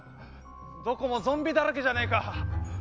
どこもゾンビだらけじゃねえか。